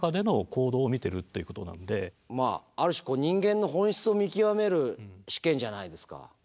まあある種人間の本質を見極める試験じゃないですか。